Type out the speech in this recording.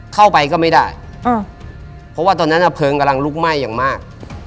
เข้าไปก็ไม่ได้เพราะว่าตอนนั้นเพลิงกำลังลุกไหม้อย่างมาก